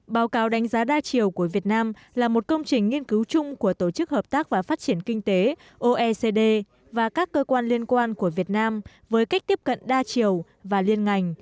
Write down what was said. báo cáo đánh giá đa chiều của việt nam là một công trình nghiên cứu chung của tổ chức hợp tác và phát triển kinh tế oecd và các cơ quan liên quan của việt nam với cách tiếp cận đa chiều và liên ngành